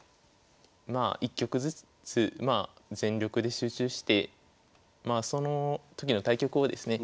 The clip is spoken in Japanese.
まあ１局ずつまあ全力で集中してまあその時の対局をですね